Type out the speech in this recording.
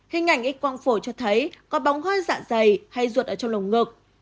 hình ảnh x quang phổi cho thấy có bóng hơi dạ dày hay ruột ở trong lồng ngực